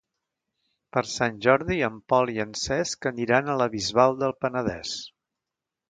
Per Sant Jordi en Pol i en Cesc aniran a la Bisbal del Penedès.